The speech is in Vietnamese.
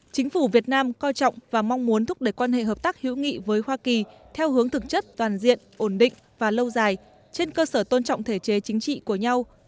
chính phủ việt nam coi trọng và mong muốn thúc đẩy quan hệ hợp tác hữu nghị với hoa kỳ theo hướng thực chất toàn diện ổn định và lâu dài trên cơ sở tôn trọng thể chế chính trị của nhau